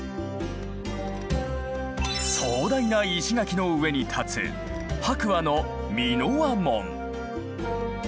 壮大な石垣の上に立つ白亜の箕輪門。